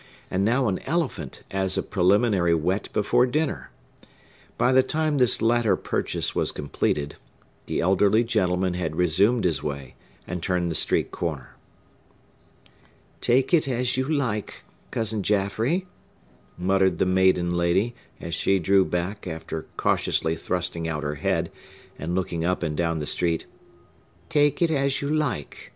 —and now an elephant, as a preliminary whet before dinner. By the time this latter purchase was completed, the elderly gentleman had resumed his way, and turned the street corner. "Take it as you like, Cousin Jaffrey," muttered the maiden lady, as she drew back, after cautiously thrusting out her head, and looking up and down the street,—"Take it as you like!